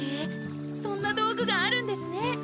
そんな道具があるんですね。